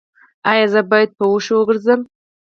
ایا زه باید په وښو وګرځم؟